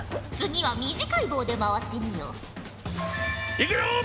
次は短い棒で回ってみよ。